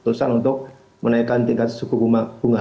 terusan untuk menaikkan tingkat suku bunga